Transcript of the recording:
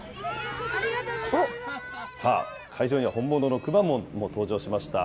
さあ、会場には本物のくまモンも登場しました。